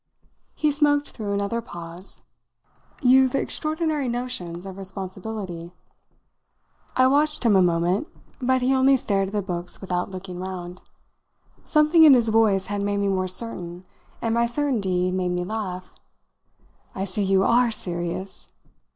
He smoked through another pause. "You've extraordinary notions of responsibility." I watched him a moment, but he only stared at the books without looking round. Something in his voice had made me more certain, and my certainty made me laugh. "I see you are serious!"